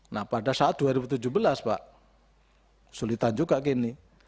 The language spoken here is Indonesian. nah pada saat dua ribu tujuh belas pak sulitan juga gini